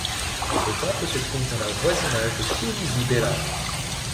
Le temple se trouve dans le voisinage du Kiyomizu-dera.